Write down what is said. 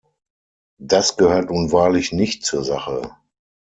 Das gehört nun wahrlich nicht zur Sache.